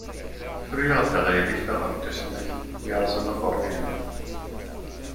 Fru-aɣ-d aɣilif-a n tusnakt yerẓan aqerruy-nneɣ.